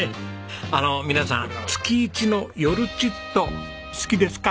あの皆さん月一の夜ちっと好きですか？